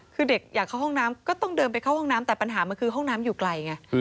คือเด็กอยากเข้าห้องน้ำก็ต้องเดินไปเข้าห้องน้ำแต่ปัญหามันคือห้องน้ำอยู่ไกลไง